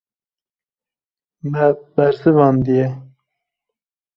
Me bersivandiye.